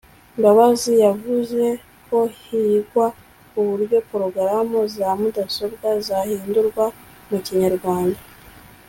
Mbabazi yavuze ko higwa uburyo Porogaramu za mudasobwa zahindurwa mu Kinyarwanda